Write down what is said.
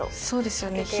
そうですよね。